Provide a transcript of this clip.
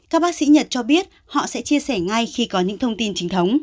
các bác sĩ nhật cho biết họ sẽ chia sẻ ngay khi có những thông tin chính thống